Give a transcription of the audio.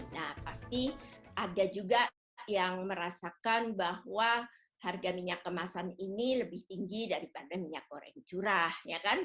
nah pasti ada juga yang merasakan bahwa harga minyak kemasan ini lebih tinggi daripada minyak goreng curah